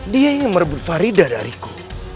dia yang merebut farida dariku